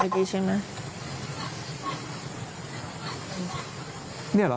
มันเหมือนเสียงผู้ชายผู้หญิงตรงไหน